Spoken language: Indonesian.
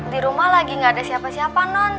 di rumah lagi gak ada siapa siapa non